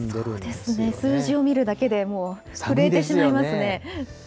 そうですね、数字を見るだけで、震えてしまいますね。